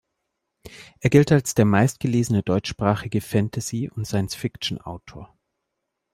Er gilt als der meistgelesene deutschsprachige Fantasy- und Science-Fiction-Autor.